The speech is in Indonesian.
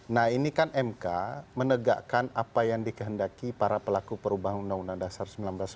nah ini kan mk menegakkan apa yang dikehendaki para pelaku perubahan undang undang dasar sembilan belas empat dua ribu sembilan belas